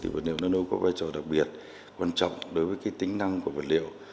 vật liệu nano có vai trò đặc biệt quan trọng đối với tính năng của vật liệu